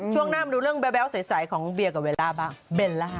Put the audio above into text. ช่วงหน้ามันดูแบแบ๊วใสของเวียกับเวลาบ้าง